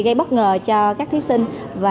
gây bất ngờ cho các thí sinh